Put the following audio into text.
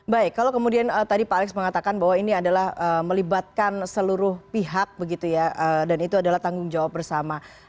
baik kalau kemudian tadi pak alex mengatakan bahwa ini adalah melibatkan seluruh pihak begitu ya dan itu adalah tanggung jawab bersama